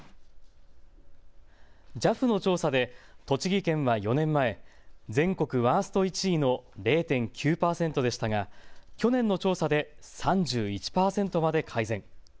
ＪＡＦの調査で栃木県は４年前、全国ワースト１位の０．９％でしたが去年の調査で３１％まで改善。